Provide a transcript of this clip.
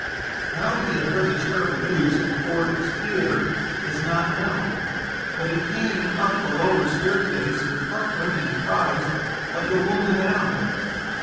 How he had heard the terrible news from Ford's Theater is not known, but he came up the lower stairway with heartrending cries like a wounded animal.